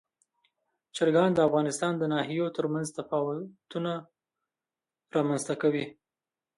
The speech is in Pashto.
چرګان د افغانستان د ناحیو ترمنځ تفاوتونه رامنځ ته کوي.